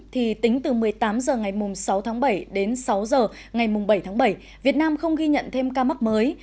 tính từ một mươi tám h ngày sáu bảy đến sáu h ngày bảy bảy việt nam không ghi nhận thêm ca mắc mới